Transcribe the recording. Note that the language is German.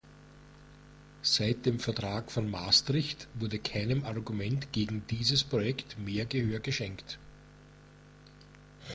Seit dem Vertrag von Maastricht wurde keinem Argument gegen dieses Projekt mehr Gehör geschenkt.